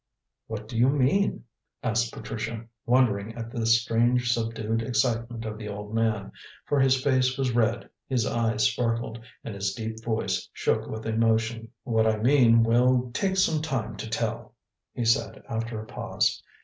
"What do you mean?" asked Patricia, wondering at the strange subdued excitement of the old man, for his face was red, his eyes sparkled, and his deep voice shook with emotion. "What I mean will take some time to tell," he said, after a pause.